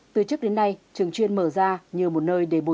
từ trước đến nay trường chuyên mở ra như một nơi để bồi